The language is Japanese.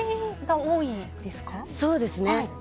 そうですね。